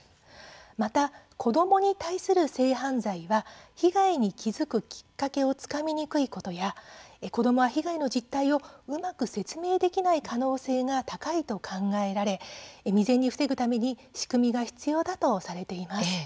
また、子どもに対する性犯罪は被害に気付くきっかけをつかみにくいことや子どもは被害の実態をうまく説明できない可能性が高いと考えられ未然に防ぐために仕組みが必要だとされています。